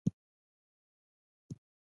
د نظم قافیې ته تاوان رسیږي.